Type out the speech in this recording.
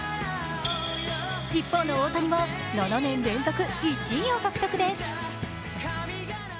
一方の大谷は、７年連続１位を獲得です。